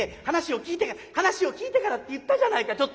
話を聞いて話を聞いてからって言ったじゃないか。